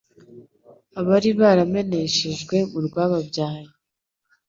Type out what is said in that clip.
abari barameneshejwe mu rwababyaye